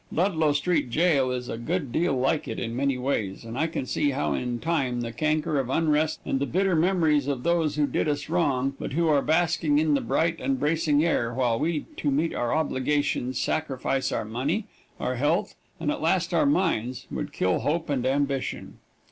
Ludlow Street Jail is a good deal like it in many ways, and I can see how in time the canker of unrest and the bitter memories of those who did us wrong but who are basking in the bright and bracing air, while we, to meet their obligations, sacrifice our money, our health and at last our minds, would kill hope and ambition.